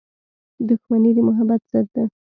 • دښمني د محبت ضد ده.